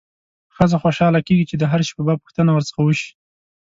ښځه خوشاله کېږي چې د هر شي په باب پوښتنه ورڅخه وشي.